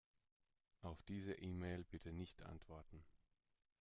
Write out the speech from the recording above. Auf diese E-Mail bitte nicht antworten.